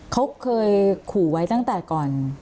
เขาเคยขู่ไว้ตั้งแต่ก่อน